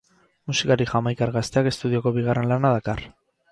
Musikari jamaikar gazteak estudioko bigarren lana dakar.